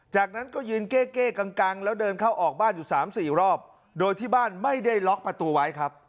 จากนั้นก็ยืนเก้เก้กังแล้วเดินเข้าออกบ้านอยู่สามสี่รอบโดยที่บ้านไม่ได้ล็อกประตูไว้ครับ